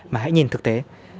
mà hãy nhìn thực tế